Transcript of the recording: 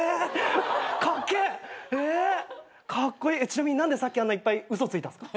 ちなみに何でさっきあんないっぱい嘘ついたんすか？